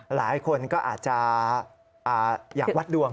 หลายคนก็อาจจะอยากวัดดวง